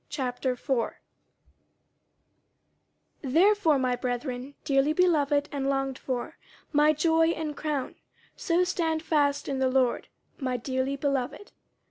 50:004:001 Therefore, my brethren dearly beloved and longed for, my joy and crown, so stand fast in the Lord, my dearly beloved.